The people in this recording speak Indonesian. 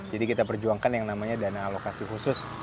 jadi kita perjuangkan yang namanya dana alokasi khusus